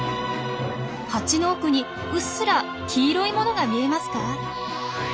ハチの奥にうっすら黄色いものが見えますか？